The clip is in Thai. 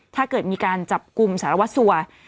ถ้าเกิดมีการจับกลุ่มสารวัสสัว